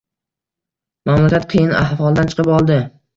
Mamlakat qiyin ahvoldan chiqib oldi.